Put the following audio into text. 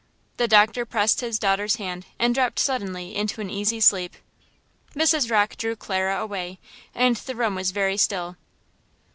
The doctor pressed his daughter's hand and dropped suddenly into an easy sleep. Mrs. Rocke drew Clara away, and the room was very still.